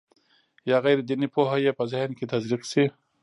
یا غیر دیني پوهه یې په ذهن کې تزریق شي.